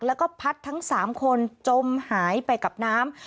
แล้วก็พัดทั้ง๓คนจมหายไปกับน้ำ